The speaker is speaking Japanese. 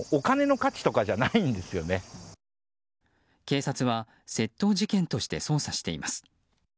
警察は窃盗事件として捜査しています。